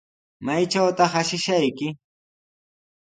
¿Maytrawtaq ashishayki?